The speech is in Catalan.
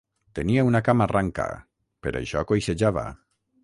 Tenia una cama ranca: per això coixejava.